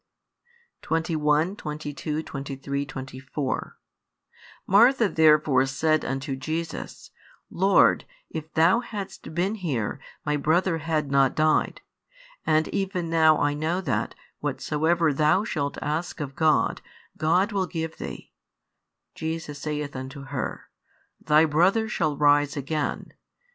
21, 22, 23, 24 Martha therefore said unto Jesus, Lord, if Thou hadst been here, my brother had not died. And even now I know that, whatsoever Thou shalt ask of God, God will give Thee. Jesus saith unto her, Thy brother shall rise again.